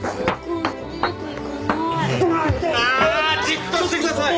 じっとしてください！